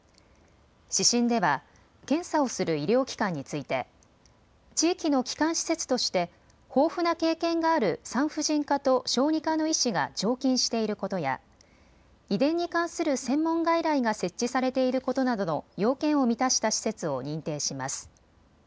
指針では検査をする医療機関について地域の基幹施設として豊富な経験がある産婦人科と小児科の医師が常勤していることや遺伝に関する専門外来が設置されていることなどの要件を満たした施設を認定します。